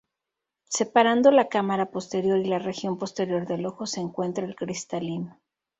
Separando la cámara posterior y la región posterior del ojo se encuentra el cristalino.